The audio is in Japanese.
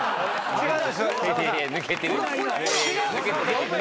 違う！